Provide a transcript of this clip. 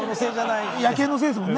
野犬のせいですもんね。